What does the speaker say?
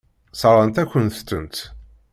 Sseṛɣen-akent-tent.